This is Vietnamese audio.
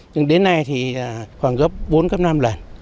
nhưng đến nay thì khoảng gấp bốn năm lần